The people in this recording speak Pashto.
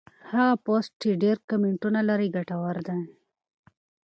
هغه پوسټ چې ډېر کمنټونه لري ګټور دی.